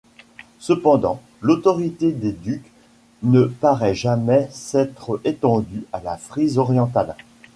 Cependant, l'autorité des ducs ne paraît jamais s'être étendue à la Frise orientale.